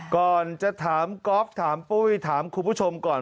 ก่อนจะถามก๊อฟถามปุ้ยถามคุณผู้ชมก่อน